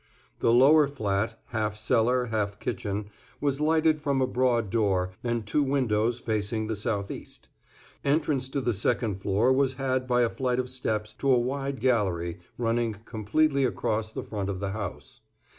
The lower flat, half cellar, half kitchen, was lighted from a broad door and two windows facing the southeast. Entrance to the second floor was had by a flight of steps to a wide gallery running completely across the front of the house.